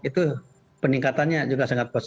itu peningkatannya juga sangat positif